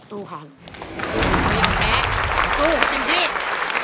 สู้ค่ะสู้จริง